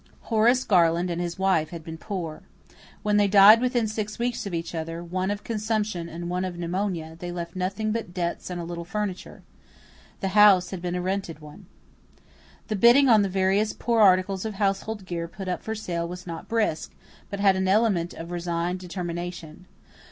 Horace Garland and his wife had been poor. When they died within six weeks of each other, one of consumption and one of pneumonia, they left nothing but debts and a little furniture. The house had been a rented one. The bidding on the various poor articles of household gear put up for sale was not brisk, but had an element of resigned determination.